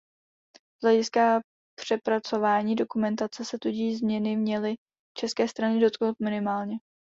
Z hlediska přepracování dokumentace se tudíž změny měly české strany dotknout minimálně.